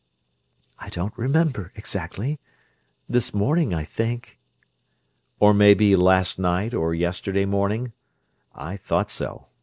"I don't remember, exactly. This morning, I think." "Or maybe last night, or yesterday morning? I thought so!